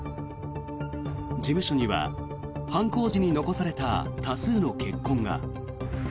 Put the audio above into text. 事務所には犯行時に残された多数の血痕が。